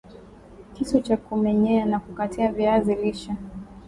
Kisu cha kumenyea na kukatia viazi lishe